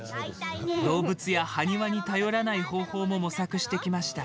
動物や埴輪に頼らない方法も模索してきました。